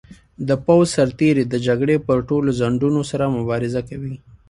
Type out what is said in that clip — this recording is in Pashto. د پوځ سرتیري د جګړې پر ټولو ځنډونو سره مبارزه کوي.